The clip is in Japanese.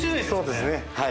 そうですねはい。